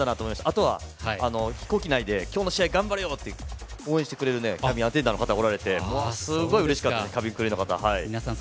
あとは、飛行機内で今日の試合、頑張れよって応援してくれるキャビンアテンダントの方もいてうれしかったです。